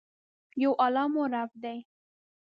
یو الله مو رب دي.